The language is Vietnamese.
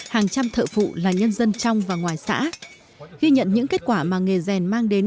hàng trăm thợ phụ là nhân dân trong và ngoài xã ghi nhận những kết quả mà nghề rèn mang đến